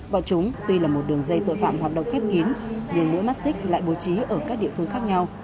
và chúng tuy là một đường dây tội phạm hoạt động khép kín nhưng mỗi mắt xích lại bố trí ở các địa phương khác nhau